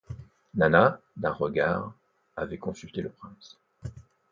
Nana, d'un regard, avait consulté le prince.